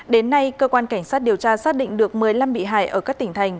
đến nay cơ quan cảnh sát điều tra xác định được một mươi năm bị hại ở các tỉnh thành